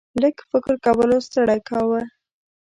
لږ فکر کولو ستړی کاوه.